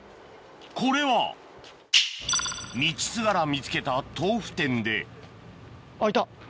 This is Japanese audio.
これは道すがら見つけた豆腐店であっいた